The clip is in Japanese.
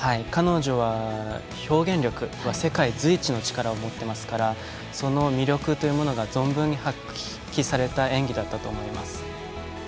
彼女は、表現力は世界随一の力を持っていますからその魅力が存分に発揮された演技だったと思います。